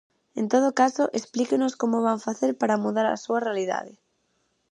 En todo caso, explíquenos como van facer para mudar a súa realidade.